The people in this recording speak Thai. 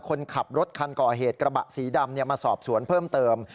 คนขับรถคันก่อเหตุกระบะสีดำมาสอบสวนเพิ่มเติม